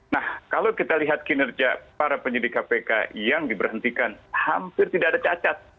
nah kalau kita lihat kinerja para penyidik kpk yang diberhentikan hampir tidak ada cacat